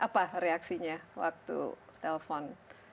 apa reaksinya waktu telpon